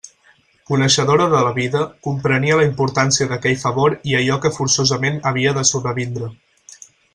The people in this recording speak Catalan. Coneixedora de la vida, comprenia la importància d'aquell favor i allò que forçosament havia de sobrevindre.